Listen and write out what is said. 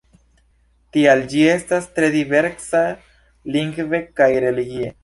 Tial, ĝi estas tre diversa lingve kaj religie.